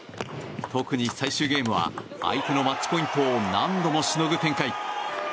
特に最終ゲームは相手のマッチポイントを何度もしのぐ展開。